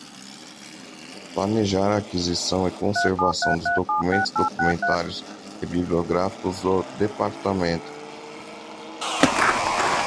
Planejar a aquisição e conservação dos documentos documentários e bibliográficos do Departamento.